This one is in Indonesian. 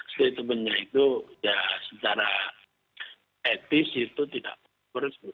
setelah itu secara etis itu tidak bersebut